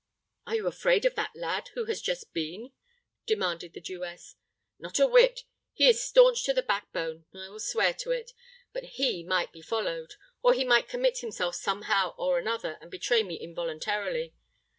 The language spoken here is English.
"Are you afraid of that lad who has just been?" demanded the Jewess. "Not a whit! He is staunch to the backbone—I will swear to it! But he might be followed—or he might commit himself somehow or another, and betray me involuntarily.